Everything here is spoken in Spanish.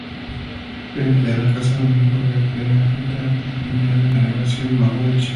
Gerente de la casa Domingo Barthe, Agente de la Compañía de navegación Mihanovich.